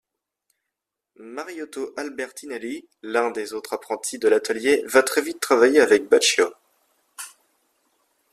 Mariotto Albertinelli, l'un des autres apprentis de l'atelier, va très vite travailler avec Baccio.